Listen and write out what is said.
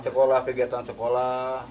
sekolah kegiatan sekolah